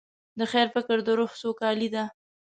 د خیر فکر د روح سوکالي ده.